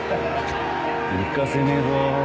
行かせねえぞ。